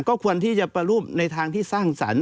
ก็ควรที่จะประรูปในทางที่สร้างสรรค์